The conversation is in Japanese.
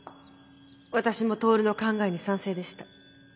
私もトオルの考えに賛成でした。